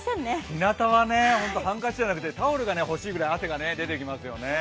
ひなたはね、ハンカチじゃなくてタオルが欲しいぐらい汗が出てきますよね。